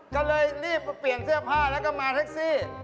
ก็เลยรีบมาเปลี่ยนเสื้อผ้าแล้วก็มาแท็กซี่